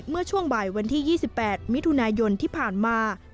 เมื่อช่วงบ่ายวันที่๒๘มิถุนายนที่ผ่านมา